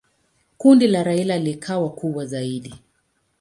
Kundi la Raila likawa kubwa zaidi.